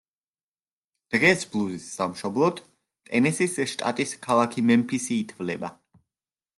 დღეს ბლუზის სამშობლოდ ტენესის შტატის ქალაქი მემფისი ითვლება.